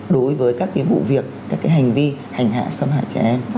đối với các cái vụ việc các cái hành vi hành hạ xâm hại trẻ em